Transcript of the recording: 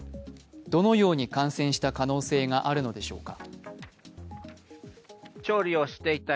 どのように感染した可能性があるのでしょうか。